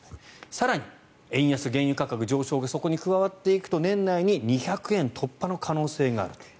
更に円安、原油価格上昇がそこに加わっていくと年内に２００円突破の可能性があると。